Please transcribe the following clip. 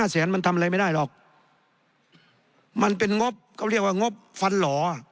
แสนมันทำอะไรไม่ได้หรอกมันเป็นงบเขาเรียกว่างบฟันหล่อ